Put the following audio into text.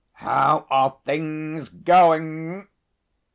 "How are things going?"